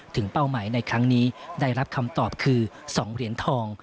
เป้าหมายในครั้งนี้ได้รับคำตอบคือ๒เหรียญทอง